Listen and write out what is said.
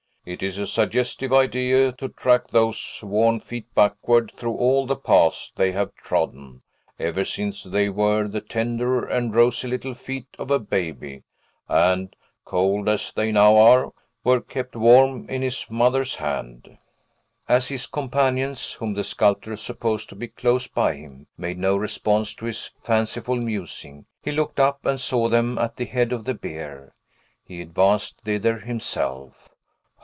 It is a suggestive idea, to track those worn feet backward through all the paths they have trodden, ever since they were the tender and rosy little feet of a baby, and (cold as they now are) were kept warm in his mother's hand." As his companions, whom the sculptor supposed to be close by him, made no response to his fanciful musing, he looked up, and saw them at the head of the bier. He advanced thither himself.